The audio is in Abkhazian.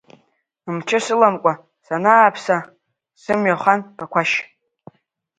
Мчы сыламкәа санааԥса, сымҩа хан Ԥақәашь.